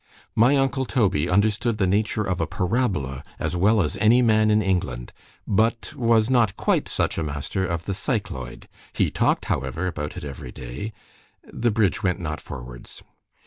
My uncle Toby understood the nature of a parabola as well as any man in England—but was not quite such a master of the cycloid;——he talked however about it every day——the bridge went not forwards.